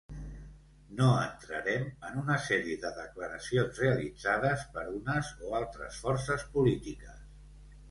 No entrarem en una sèrie de declaracions realitzades per unes o altres forces polítiques.